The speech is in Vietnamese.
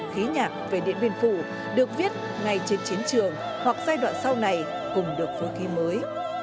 khí nhạc về điện biên phủ được viết ngay trên chiến trường hoặc giai đoạn sau này cùng được phương khí mới